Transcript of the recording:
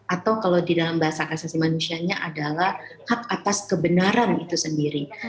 atau kalau di dalam bahasa kasasi manusianya adalah hak atas kebenaran itu sendiri